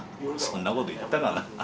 そんなこと言ったかな？